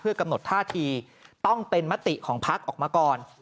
กำหนดท่าทีต้องเป็นมติของพักออกมาก่อน